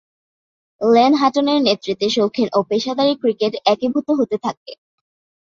Lane হাটনের নেতৃত্বে শৌখিন ও পেশাদারী ক্রিকেট একীভূত হতে থাকে।